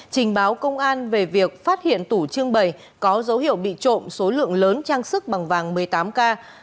trình báo công an về việc phát hiện tủ trưng bày có dấu hiệu bị trộm số lượng lớn trang sức bằng vàng một mươi tám k